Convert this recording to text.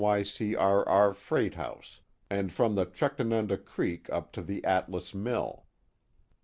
Y, C, R. R. freight house, and from the Chuctanunda Creek up to the Atlas mill.